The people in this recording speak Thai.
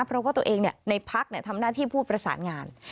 เพราะว่าตัวเองเนี่ยในภาคเนี่ยทำหน้าที่ผู้ประสานงาน